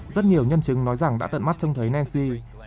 rất nhiều nhân chứng nói rằng đã tận mắt trông thấy ncy